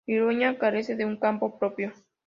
Iruña carece de un campo propio.